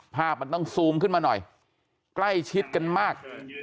ภาพมันต้องซูมขึ้นมาหน่อยใกล้ชิดกันมาก